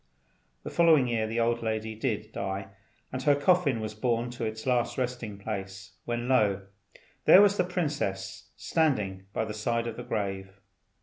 The following year the old lady did die, and her coffin was borne to its last resting place, when lo! there was the princess standing by the side of the grave.